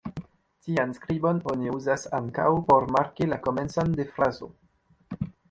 Tian skribon oni uzas ankaŭ por marki la komencon de frazo.